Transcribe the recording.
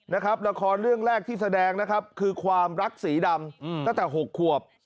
นะครับละครเรื่องแรกที่แสดงนะครับคือความรักสีดำตั้งแต่๖ขวบ